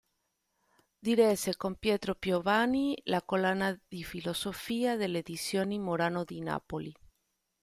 Diresse, con Pietro Piovani, la "Collana di Filosofia" delle Edizioni Morano di Napoli.